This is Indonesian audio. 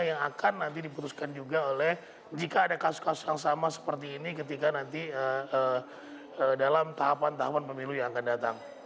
yang akan nanti diputuskan juga oleh jika ada kasus kasus yang sama seperti ini ketika nanti dalam tahapan tahapan pemilu yang akan datang